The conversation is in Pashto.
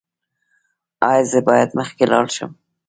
ایا زه باید مخکې لاړ شم؟